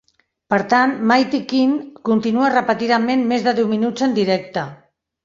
Per tant, "Mighty Quinn" continua repetidament més de deu minuts en directe.